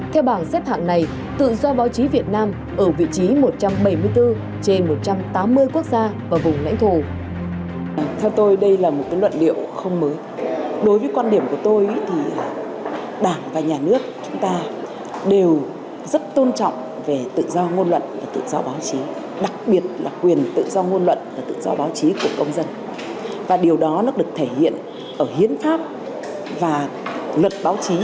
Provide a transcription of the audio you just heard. theo bảng xếp hạng này tự do báo chí việt nam ở vị trí một trăm bảy mươi bốn trên một trăm tám mươi quốc gia và vùng lãnh thổ